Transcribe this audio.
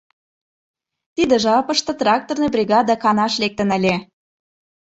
Тиде жапыште тракторный бригада канаш лектын ыле.